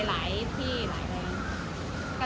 ท่านลองที่ชูก็ดูนะ